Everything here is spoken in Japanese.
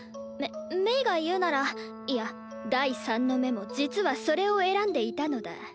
め鳴が言うならいや第三の目も実はそれを選んでいたのだ。